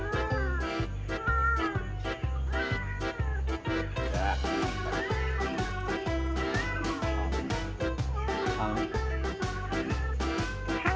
อย่าทำแรงลูกเจ็บ